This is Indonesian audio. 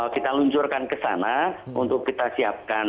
kita luncurkan ke sana untuk kita siapkan